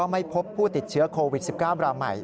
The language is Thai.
ไม่พบผู้ติดเชื้อโควิด๑๙รายใหม่